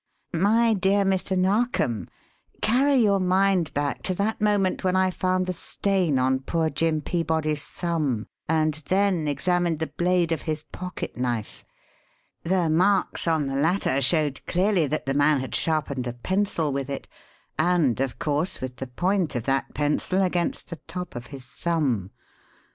My dear Mr. Narkom, carry your mind back to that moment when I found the stain on poor Jim Peabody's thumb, and then examined the blade of his pocket knife. The marks on the latter showed clearly that the man had sharpened a pencil with it and, of course, with the point of that pencil against the top of his thumb.